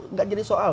nggak jadi soal